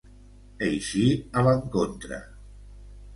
Eixir a l'encontre.